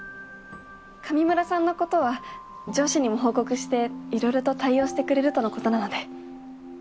上村さんのことは上司にも報告していろいろと対応してくれるとのことなので。